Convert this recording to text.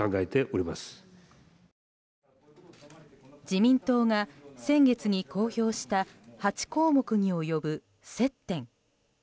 自民党が先月に公表した８項目に及ぶ接点。